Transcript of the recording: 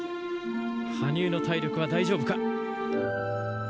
羽生の体力は大丈夫か。